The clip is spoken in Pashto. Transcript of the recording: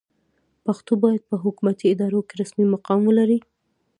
پښتو باید په حکومتي ادارو کې رسمي مقام ولري.